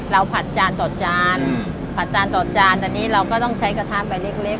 เราผัดจานต่อจานอืมผัดจานต่อจานแต่นี่เราก็ต้องใช้กระทานแบบเล็กเล็ก